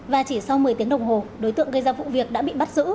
và chỉ sau một mươi tiếng đồng hồ đối tượng gây ra vụ việc đã bị bắt giữ